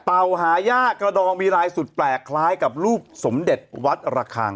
หายากกระดองมีลายสุดแปลกคล้ายกับรูปสมเด็จวัดระคัง